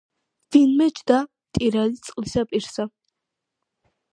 ვინმე ჯდა მტირალი წყლისა პირსა